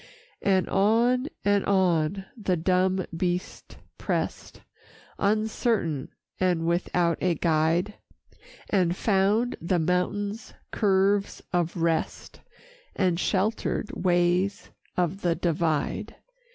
VII And on and on the dumb beast pressed, Uncertain, and without a guide, And found the mountain's curves of rest And sheltered ways of the Divide.